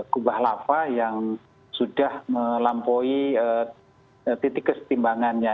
kubah lava yang sudah melampaui titik kesetimbangannya